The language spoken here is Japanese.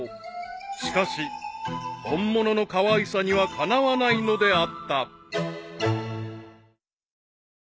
［しかし本物のかわいさにはかなわないのであった］